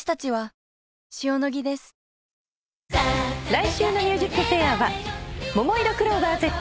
来週の『ＭＵＳＩＣＦＡＩＲ』はももいろクローバーＺ。